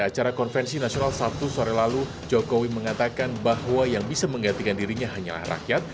acara konvensi nasional sabtu sore lalu jokowi mengatakan bahwa yang bisa menggantikan dirinya hanyalah rakyat